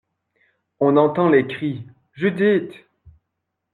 On entend les cris : Judith !